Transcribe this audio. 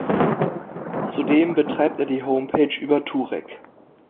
Zudem betreibt er die Homepage über Turek.